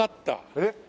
えっ？